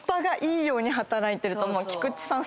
菊地さん